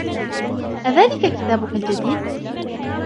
أذلك كتابك الجديد؟